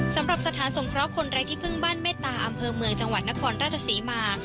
สำหรับสถานสงเคราะห์คนไร้ที่พึ่งบ้านเมตตาอำเภอเมืองจังหวัดนครราชศรีมา